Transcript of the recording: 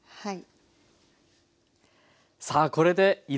はい。